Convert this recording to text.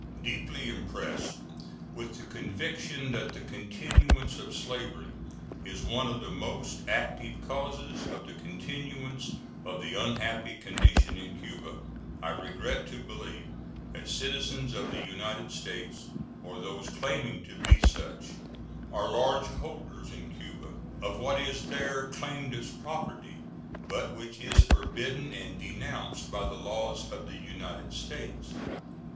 Deeply impressed with the conviction that the continuance of slavery is one of the most active causes of the continuance of the unhappy condition in Cuba, I regret to believe that citizens of the United States, or those claiming to be such, are large holders in Cuba of what is there claimed as property, but which is forbidden and denounced by the laws of the United States.